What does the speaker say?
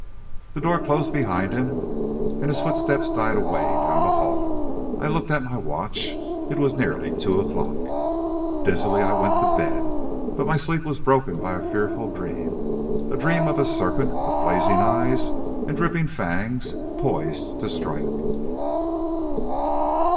The door closed behind him, and his footsteps died away down the hall. I looked at my watch it was nearly two o'clock. Dizzily I went to bed. But my sleep was broken by a fearful dream a dream of a serpent, with blazing eyes and dripping fangs, poised to strike!